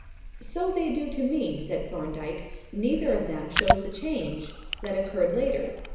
"So they do to me," said Thorndyke. "Neither of them shows the change that occurred later.